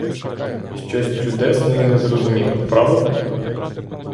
Щось чудне й не зрозуміле — правда?